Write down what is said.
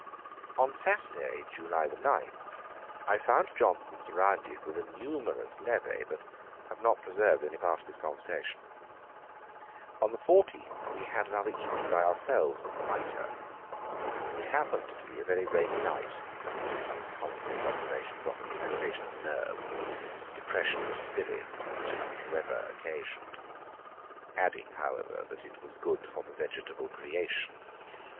On Saturday, July 9, I found Johnson surrounded with a numerous levee, but have not preserved any part of his conversation. On the 14th we had another evening by ourselves at the Mitre. It happening to be a very rainy night, I made some common place observations on the relaxation of nerves and depression of spirits which such weather occasioned; adding, however, that it was good for the vegetable creation.